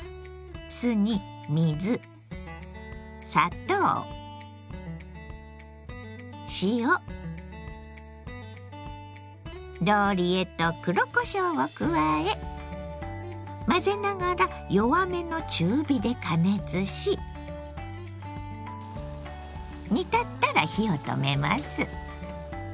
酢に水砂糖塩ローリエと黒こしょうを加え混ぜながら弱めの中火で加熱し煮立ったら火を止めます。